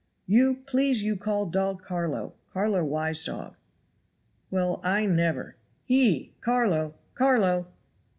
You please you call dog Carlo! Carlo wise dog." "Well, I never! Hie, Carlo! Carlo!"